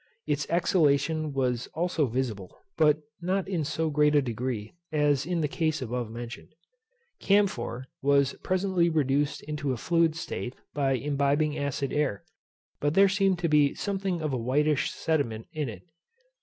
Its exhalation was also visible, but not in so great a degree as in the case above mentioned. Camphor was presently reduced into a fluid state by imbibing acid air, but there seemed to be something of a whitish sediment in it.